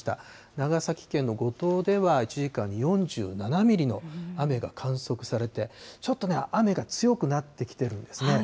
長崎県の五島では１時間に４７ミリの雨が観測されて、ちょっとね、雨が強くなってきてるんですね。